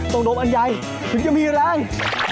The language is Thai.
โดมอันใหญ่ถึงจะมีแรง